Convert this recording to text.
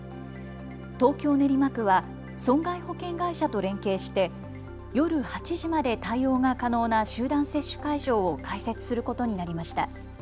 東京練馬区は損害保険会社と連携して夜８時まで対応が可能な集団接種会場を開設することになりました。